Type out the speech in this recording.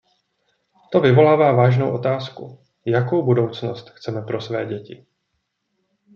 To vyvolává vážnou otázku, jakou budoucnost chceme pro své děti.